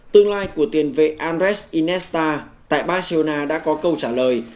tương lai của tiền vệ andres inesta tại barcelona đã có câu trả lời